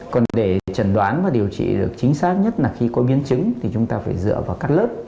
còn để trần đoán và điều trị được chính xác nhất là khi có biến chứng thì chúng ta phải dựa vào các lớp